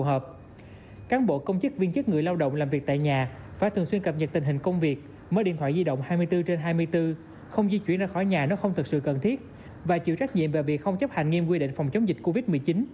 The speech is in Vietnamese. các cơ quan đơn vị nhà nước bố trí không quá một nửa số lượng cán bộ công chức viên chức người lao động làm việc tại nhà phải thường xuyên cập nhật tình hình công việc mở điện thoại di động hai mươi bốn trên hai mươi bốn không di chuyển ra khỏi nhà nó không thực sự cần thiết và chịu trách nhiệm về việc không chấp hành nghiêm quy định phòng chống dịch covid một mươi chín